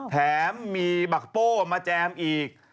แถมมีบักโป้มาแจมอีก